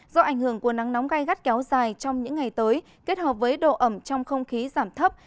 do ảnh hưởng của nắng nóng gai gắt kéo dài trong những ngày tới kết hợp với độ ẩm trong không khí giảm thấp